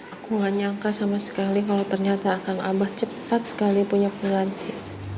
aku gak nyangka sama sekali kalau ternyata kang abah cepat sekali punya pengganti